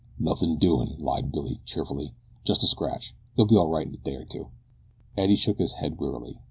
"Nothin' doin'," lied Billy cheerfully. "Just a scratch. You'll be all right in a day or two." Eddie shook his head wearily.